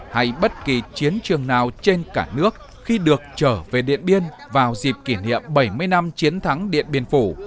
hay bất kỳ chiến trường nào trên cả nước khi được trở về điện biên vào dịp kỷ niệm bảy mươi năm chiến thắng điện biên phủ